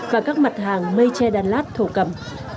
và các mặt hàng mây tre đan lát thổ cầm